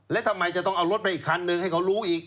แล้วทำไมจะต้องเอารถไปอีกคันหนึ่งให้เขารู้อีก